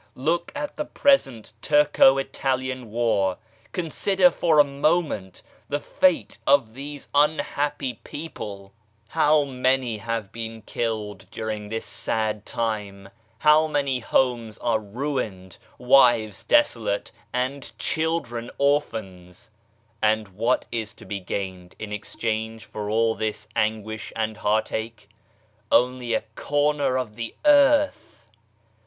Look at the present Turco Italian war/; con sider for a moment the fate of these unhappy people ! G 98 SPIRITUALITY How many have been killed during this sad time t How many homes are ruined, wives desolate, and children orphans 1 And what is to be gained in exchange for all this anguish and heartache ? Only a corner of the earth